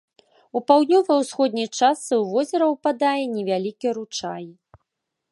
У паўднёва-ўсходняй частцы ў возера ўпадае невялікі ручай.